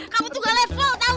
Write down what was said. kamu tuh gak level tau gak